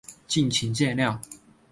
敬请见谅